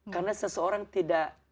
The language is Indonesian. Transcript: karena seseorang tidak